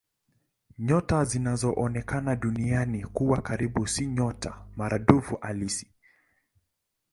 Nyota zinazoonekana Duniani kuwa karibu si nyota maradufu halisi.